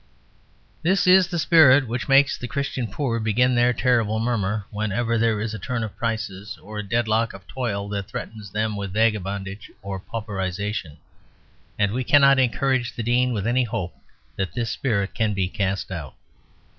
This is the spirit which makes the Christian poor begin their terrible murmur whenever there is a turn of prices or a deadlock of toil that threatens them with vagabondage or pauperisation; and we cannot encourage the Dean with any hope that this spirit can be cast out.